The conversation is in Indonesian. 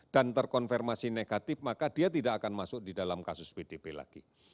dan terkonfirmasi negatif maka dia tidak akan masuk di dalam kasus pdp lagi